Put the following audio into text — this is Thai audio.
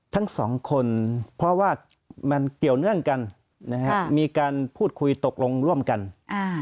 ทั้งสองคนเพราะว่ามันเกี่ยวเนื่องกันนะฮะมีการพูดคุยตกลงร่วมกันอ่า